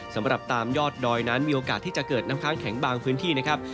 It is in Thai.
สำหรับตามยอดดอยนั้นมีโอกาสที่จะเกิดน้ำค้างแข็งบางพื้นที่นะครับ